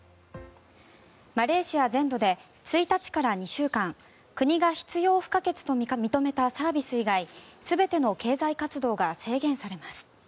マレーシア全土で１日から２週間国が必要不可欠と認めたサービス以外全ての経済活動が制限されます。